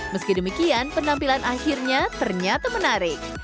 meski demikian penampilan akhirnya ternyata menarik